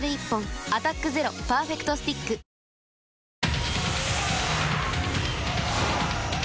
「アタックＺＥＲＯパーフェクトスティック」では、お天気です。